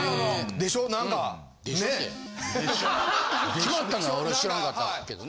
決まったのは俺知らんかったけどね。